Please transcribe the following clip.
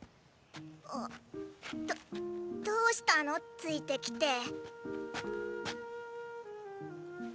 あっどっどうしたの付いてきて。